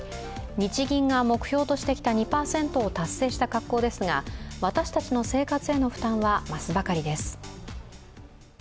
日銀が目標としてきた２％を達成した格好ですが私たちの生活への負担は増すばかりです。